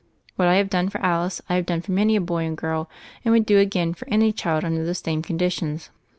What I have done for Alice, I have done for many a boy and girl, and would do again for any child under the same conditions."